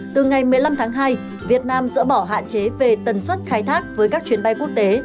từ ngày một mươi năm tháng hai việt nam dỡ bỏ hạn chế về tần suất khai thác với các chuyến bay quốc tế